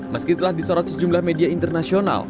meski telah disorot sejumlah media internasional